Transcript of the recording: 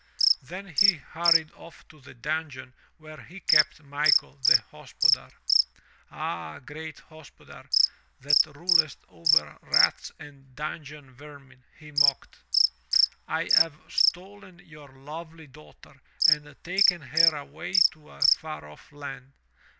Then he hurried off to the dungeon where he kept Michael, the hospodar. "Aha, great hospodar, that rulest over rats and dungeon vermin," he mocked, "I have stolen your lovely daughter and taken her away to a far off land.